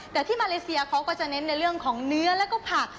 แต่ที่มาเลเซียเขาก็จะเน้นในเรื่องของเนื้อแล้วก็ผัก